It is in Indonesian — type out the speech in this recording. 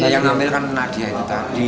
yang hamil kan nadia itu tadi